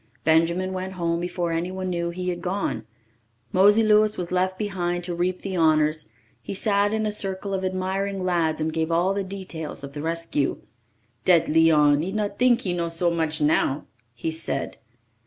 Benjamin went home before anyone knew he had gone. Mosey Louis was left behind to reap the honours; he sat in a circle of admiring lads and gave all the details of the rescue. "Dat Leon, he not tink he know so much now!" he said.